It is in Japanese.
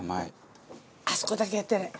あそこだけやってない。